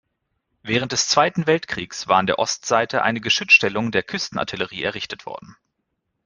Während des Zweiten Weltkriegs war an der Ostseite eine Geschützstellung der Küstenartillerie errichtet worden.